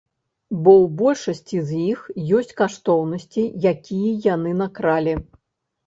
Бо ў большасці з іх ёсць каштоўнасці, якія яны накралі.